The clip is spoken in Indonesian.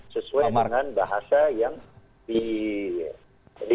sesuai dengan bahasa yang di